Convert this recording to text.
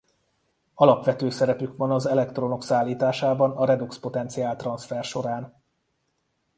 Alapvető szerepük van az elektronok szállításában a redoxpotenciál-transzfer során.